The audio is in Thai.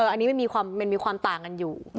อันนี้มันมีความต่างกันอยู่